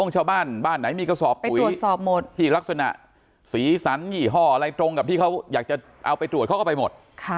ชาวบ้านบ้านไหนมีกระสอบปุ๋ยที่ลักษณะสีสันยี่ห้ออะไรตรงกับที่เขาอยากจะเอาไปตรวจเขาก็ไปหมด